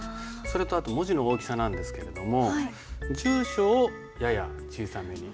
それとあと文字の大きさなんですけれども住所をやや小さめに。